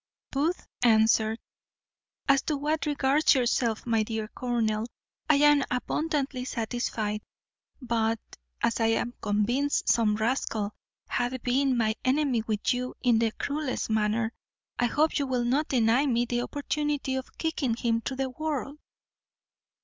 Booth answered, "As to what regards yourself, my dear colonel, I am abundantly satisfied; but, as I am convinced some rascal hath been my enemy with you in the cruellest manner, I hope you will not deny me the opportunity of kicking him through the world."